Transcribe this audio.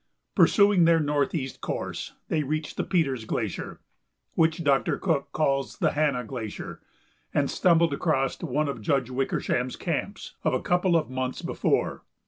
Pursuing their northeast course, they reached the Peters Glacier (which Doctor Cook calls the Hanna Glacier) and stumbled across one of Judge Wickersham's camps of a couple of months before.